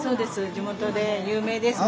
地元で有名ですね。